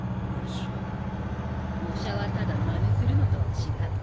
模写はただまねするのとは違う。